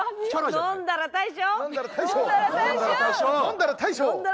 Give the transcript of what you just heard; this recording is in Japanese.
「飲んだら大将」！